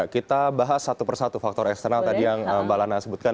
kita bahas satu persatu faktor eksternal tadi yang mbak lana sebutkan